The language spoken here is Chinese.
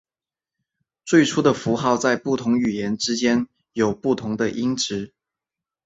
最初的符号在不同语言之间有不同的音值。